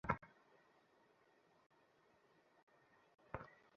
সময়ে কাজ না করলে কাজ নষ্ট নয়, বসে গল্প করা পালায় না।